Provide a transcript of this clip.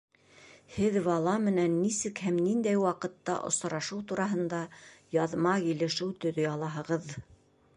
Һеҙ бала менән нисек һәм ниндәй ваҡытта осрашыу тураһында яҙма килешеү төҙөй алаһығыҙ.